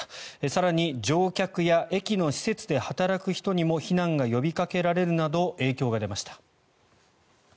更に、乗客や駅の施設で働く人にも避難が呼びかけられるなど影響が出ました。